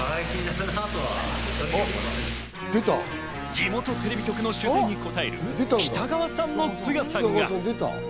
地元テレビ局の取材に答える北川さんの姿が。